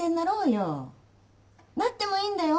なってもいいんだよ。